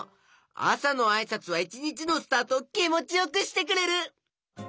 あさのあいさつは１にちのスタートをきもちよくしてくれる！